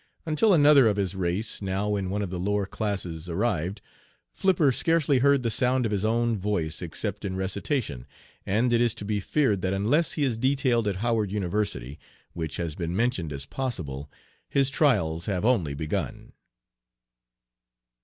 Until another of his race, now in one of the lower classes, arrived, Flipper scarcely heard the sound of his own voice except in recitation, and it is to be feared that unless he is detailed at Howard University, which has been mentioned as possible, his trials have only begun."